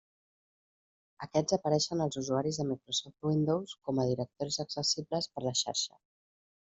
Aquests apareixen als usuaris de Microsoft Windows com a directoris accessibles per la xarxa.